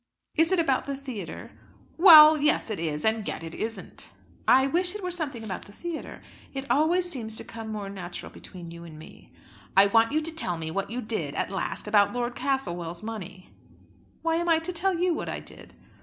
"Is it about the theatre?" "Well, it is; and yet it isn't." "I wish it were something about the theatre. It always seems to come more natural between you and me." "I want you to tell me what you did at last about Lord Castlewell's money." "Why am I to tell you what I did?"